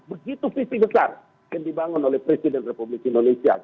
begitu visi besar yang dibangun oleh presiden republik indonesia